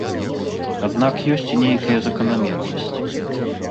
Аднак ёсць і нейкая заканамернасць.